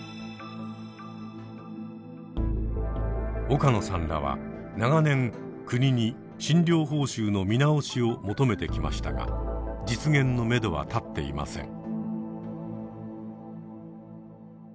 岡野さんらは長年国に診療報酬の見直しを求めてきましたが実現のめどは立っていません。